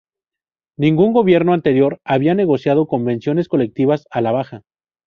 Ningún gobierno anterior había negociado convenciones colectivas a la baja.